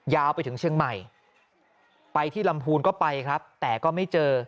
ยาวไปถึงเชียงใหม่ไปที่ลำพูนก็ไปครับแต่ก็ไม่เจอ